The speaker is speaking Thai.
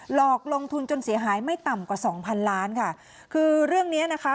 หลอกลงทุนจนเสียหายไม่ต่ำกว่าสองพันล้านค่ะคือเรื่องเนี้ยนะคะ